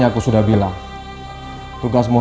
maaf jeng ayu